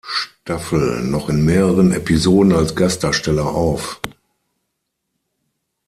Staffel noch in mehreren Episoden als Gastdarsteller auf.